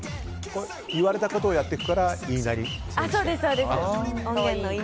言われたことをやっていくから言いなり選手権？